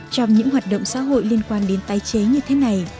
trong những hoạt động xã hội liên quan đến tái chế như thế này